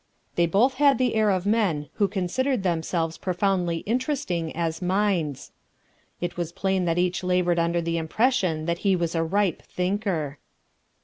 They both had the air of men who considered themselves profoundly interesting as minds. It was plain that each laboured under the impression that he was a ripe thinker.